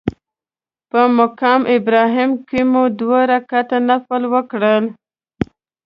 په مقام ابراهیم کې مو دوه رکعته نفل وکړل.